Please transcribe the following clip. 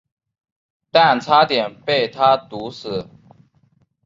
但差点被他毒死。